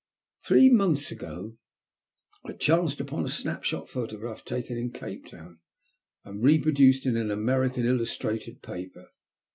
Three months ago I chanced upon a snap shot photograph taken in Cape Town, and reproduced in an American illustrated paper.